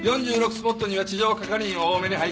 スポットには地上係員を多めに配置。